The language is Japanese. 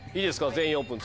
「全員オープン」